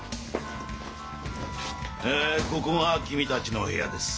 えここが君たちの部屋です。